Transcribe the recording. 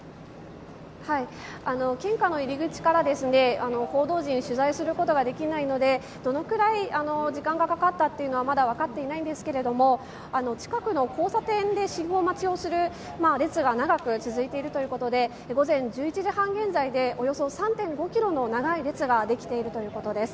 献花の入り口から報道陣、取材することができないのでどのくらい時間がかかったかはまだ分かっていないんですが近くの交差点で信号待ちをする列が長く続いているということで午前１１時半現在でおよそ３．５ｋｍの長い列ができているということです。